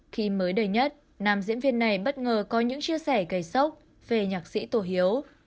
khi mới đầy nhất nam diễn viên này bất ngờ có những chia sẻ cây sốc về nhạc sĩ tổ hiếu